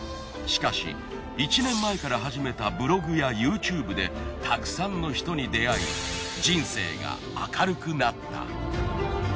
しかし１年前から始めたブログやＹｏｕＴｕｂｅでたくさんの人に出会い人生が明るくなった。